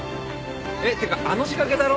えってかあの仕掛けだろ？